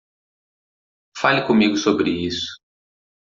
Fale comigo sobre isso.